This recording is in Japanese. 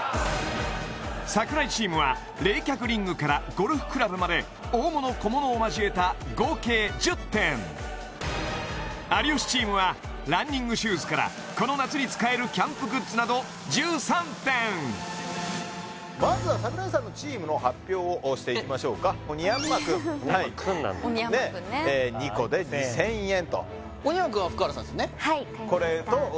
櫻井チームは冷却リングからゴルフクラブまで大物小物をまじえた合計１０点有吉チームはランニングシューズからこの夏に使えるキャンプグッズなど１３点まずは櫻井さんのチームの発表をしていきましょうかおにやんま君おにやんま君なんだおにやんま君ね２個で２０００円とおにやんま君は福原さんすねはい買いました